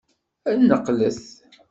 Ad neqqlet!